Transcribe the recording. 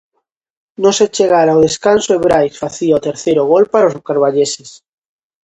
Non se chegara ao descanso e Brais facía o terceiro gol para os carballeses.